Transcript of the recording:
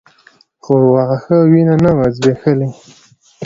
خو واښه وينه نه وه ځبېښلې.